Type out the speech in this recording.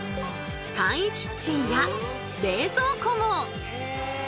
簡易キッチンや冷蔵庫も！